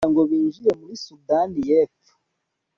kugira ngo binjire muri Sudani y’Epfo